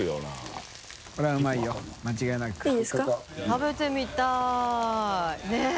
食べてみたいねぇ。